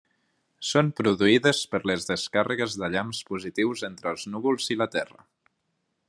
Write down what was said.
Són produïdes per les descàrregues de llamps positius entre els núvols i la terra.